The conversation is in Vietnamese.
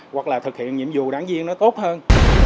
hoặc là thực hiện nhiệm vụ đáng duyên nó tốt hơn